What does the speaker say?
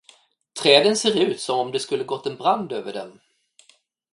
Träden ser ut, som om det skulle ha gått brand över dem.